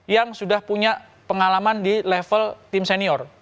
yang sudah punya pengalaman di level tim senior